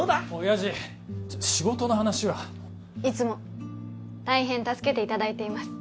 親父仕事の話はいつも大変助けていただいています